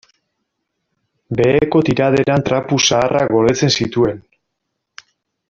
Beheko tiraderan trapu zaharrak gordetzen zituen.